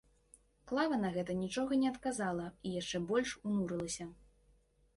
Клава на гэта нічога не адказала і яшчэ больш унурылася.